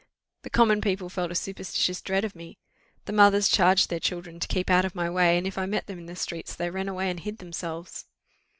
] "The common people felt a superstitious dread of me: the mothers charged their children to keep out of my way; and if I met them in the streets, they ran away and hid themselves.